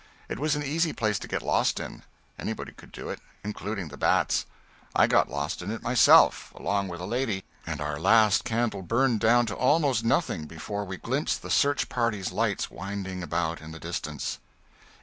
It was an easy place to get lost in; anybody could do it including the bats. I got lost in it myself, along with a lady, and our last candle burned down to almost nothing before we glimpsed the search party's lights winding about in the distance.